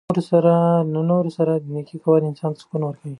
له نورو سره نیکي کول انسان ته سکون ورکوي.